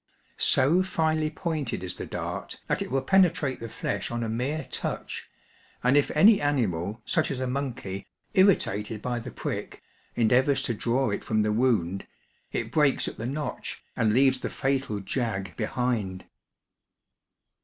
So finely pointed is the dart that it will penetrate the flesh on a mere touch ; and if any animal, such as a monkey, irritated by the prick, endeavours to draw it from the wound, it breaks at the notch, and leaves the fatal jag behind.